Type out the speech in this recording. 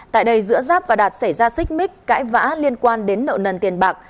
tại đây giữa giáp và đạt xảy ra xích mích cãi vã liên quan đến nợ nần tiền bạc